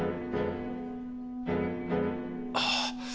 ああ。